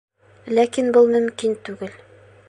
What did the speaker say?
Ләкин был мөмкин түгел.